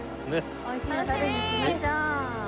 美味しいの食べに行きましょう。